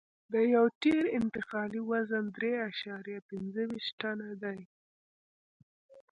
د یو ټیر انتقالي وزن درې اعشاریه پنځه ویشت ټنه دی